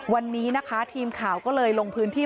วันนี้นะคะทีมข่าวก็เลยลงพื้นที่